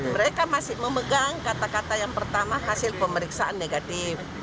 mereka masih memegang kata kata yang pertama hasil pemeriksaan negatif